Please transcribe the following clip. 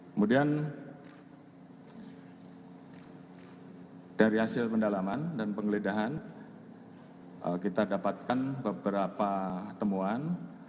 kemudian dari hasil pendalaman dan penggeledahan kita dapatkan beberapa temuan